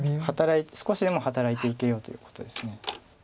少しでも働いて受けようということです。